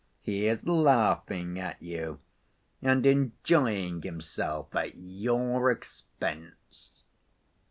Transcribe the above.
He is laughing at you, and enjoying himself at your expense."